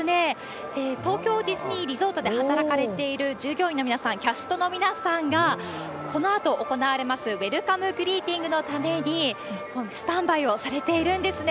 今ですね、東京ディズニーリゾートで働かれている従業員の皆さん、キャストの皆さんが、このあと行われますウェルカム・グリーティングのためにスタンバイをされているんですね。